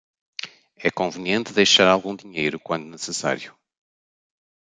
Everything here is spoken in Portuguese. É conveniente deixar algum dinheiro quando necessário.